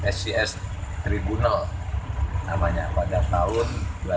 scs tribunal namanya pada tahun dua ribu enam belas